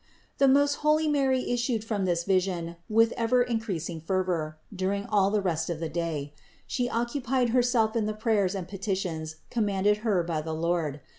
34. The most holy Mary issued from this vision with ever increasing fervor, and during all the rest of the day She occupied Herself in the prayers and petitions com manded Her by the Lord.